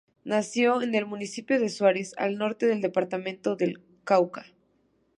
Nació en el municipio de Suárez, al norte del departamento del Cauca.